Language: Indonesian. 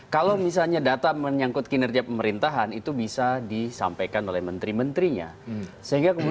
kalau misalnya data menyangkut kinerja pemerintahan itu bisa disampaikan oleh menteri pendukung itu akan dikontrol atau disimpan ke pembangunan relawan